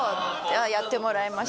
「やってもらいました」